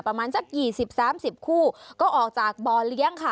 ประมาณสัก๒๐๓๐คู่ก็ออกจากบ่อเลี้ยงค่ะ